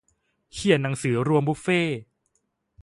เขียนหนังสือรวมบุฟเฟต์